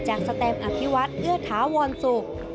จากแสตมอภิวัฒน์เอื้อถาวรศุกร์